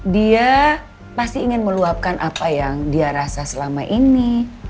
dia pasti ingin meluapkan apa yang dia rasa selama ini